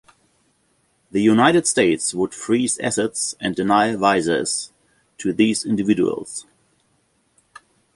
The United States would freeze assets and deny visas to these individuals.